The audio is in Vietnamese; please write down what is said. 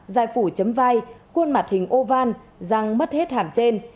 dài phủ chấm vai khuôn mặt hình oval răng mất hết hàm trên